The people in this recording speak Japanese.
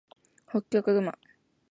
ホッキョクグマ